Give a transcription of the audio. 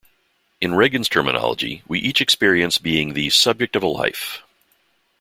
In Regan's terminology, we each experience being the subject-of-a-life.